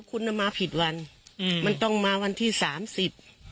คุณน่ะมาผิดวันอืมมันต้องมาวันที่สามสิบ